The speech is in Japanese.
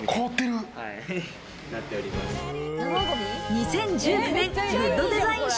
２０１９年グッドデザイン賞